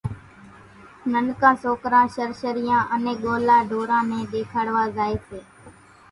ننڪان سوڪران شرشريان انين ڳولا ڍوران نين ۮيکاڙوا زائي سي